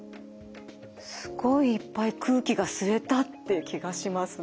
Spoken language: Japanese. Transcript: すごいいっぱい空気が吸えたっていう気がしますね。